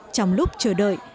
trong lúc chờ đợi